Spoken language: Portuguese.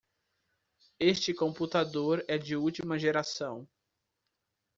Este computador é de última geração.